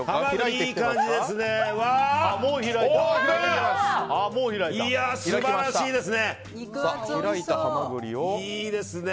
いい感じですね。